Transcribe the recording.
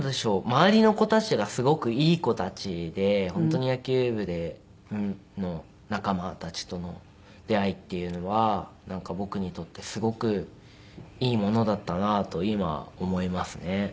周りの子たちがすごくいい子たちで本当に野球部での仲間たちとの出会いっていうのはなんか僕にとってすごくいいものだったなと今思いますね。